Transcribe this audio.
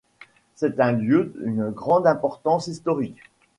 C'est un lieu d'une grande importance historique.